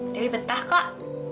dari betah kok